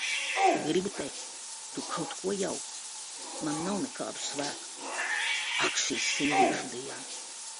Gribu teikt: Tu kaut ko jauc, man nav nekādu svētku! Ak, šī sieviešu diena!